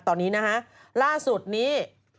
ตอนนี้นะฮะล่าสุดนี้